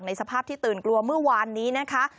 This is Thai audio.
สภาพที่ตื่นกลัวเมื่อวานนี้นะคะ